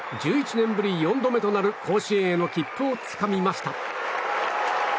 １１年ぶり４度目となる甲子園への切符をつかみました。